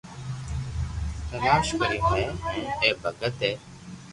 تلاݾ ڪريو ھي ھين اي ڀگت اي